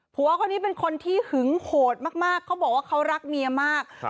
ผัวคนนี้เป็นคนที่หึงโหดมากเขาบอกว่าเขารักเมียมาก